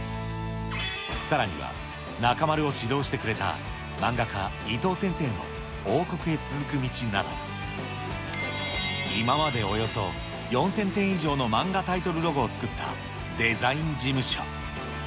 さらには、中丸を指導してくれた漫画家、伊藤先生の王国へ続く道など、今までおよそ４０００点以上の漫画タイトルロゴを作ったデザイン事務所。